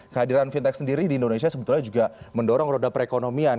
kehadiran fintech sendiri di indonesia sebetulnya juga mendorong roda perekonomian